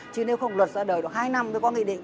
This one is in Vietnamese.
chứ nếu không luật ra đời được hai năm mới có nghị định